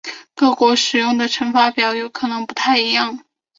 各国使用的乘法表有可能不太一样。